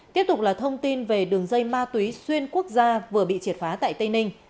tiếp tục là thông tin về đường dây ma túy xuyên quốc gia vừa bị triệt phá tại tây ninh